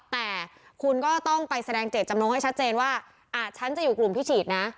แต่คุณก็ต้องไปแสดงเจตจำนงให้ชัดเจนว่าฉันจะอยู่กลุ่มที่ฉีดนะ